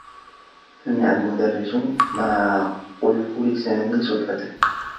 سمع المدرّس ما قله سامي صدفة.